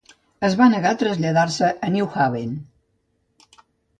Es va negar a traslladar-se a New Haven.